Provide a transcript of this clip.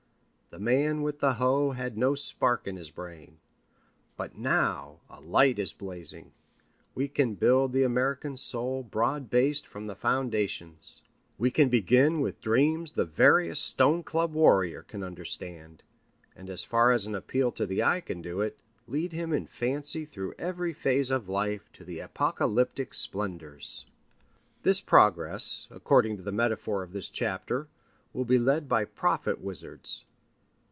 The Man with the Hoe had no spark in his brain. But now a light is blazing. We can build the American soul broad based from the foundations. We can begin with dreams the veriest stone club warrior can understand, and as far as an appeal to the eye can do it, lead him in fancy through every phase of life to the apocalyptic splendors. This progress, according to the metaphor of this chapter, will be led by prophet wizards.